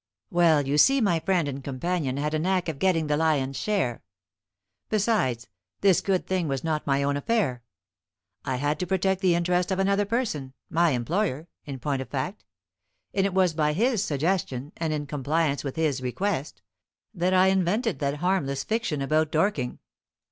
"Well, you see, my friend and companion had a knack of getting the lion's share. Besides, this good thing was not my own affair. I had to protect the interest of another person my employer, in point of fact; and it was by his suggestion, and in compliance with his request, that I invented that harmless fiction about Dorking.